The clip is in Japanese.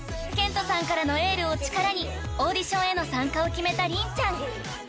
ケントさんからのエールを力にオーディションへの参加を決めた凛ちゃん］